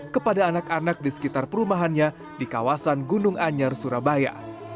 kepada anak anak di sekitar perumahannya di kawasan gunung anyar surabaya